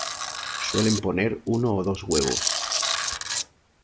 Suelen poner uno o dos huevos.